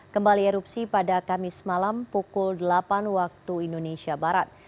kembali erupsi pada kamis malam pukul delapan waktu indonesia barat